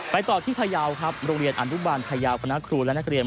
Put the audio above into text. ต่อที่พยาวครับโรงเรียนอนุบาลพยาวคณะครูและนักเรียน